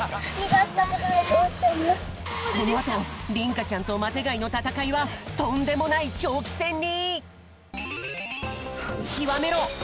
このあとりんかちゃんとマテがいのたたかいはとんでもないちょうきせんに！